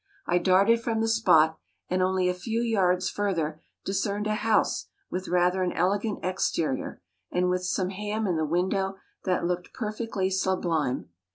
I darted from the spot; and only a few yards further discerned a house with rather an elegant exterior, and with some ham in the window that looked perfectly sublime.